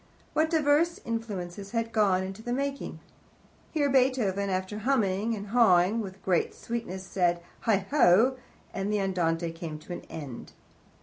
What diverse influences had gone to the making! Here Beethoven, after humming and hawing with great sweetness, said "Heigho," and the Andante came to an end.